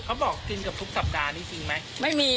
เขาบอกกินกับทุกสัปดาห์นี่จริงไหม